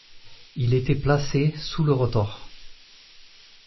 Il était placé sous le rotor.